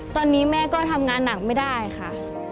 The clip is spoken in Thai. ตอนนี้แม่ก็ทำงานหนักไม่ได้ค่ะ